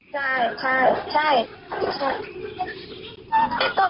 ใช่ใช่ใช่